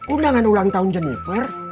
undangan ulang tahun jenifer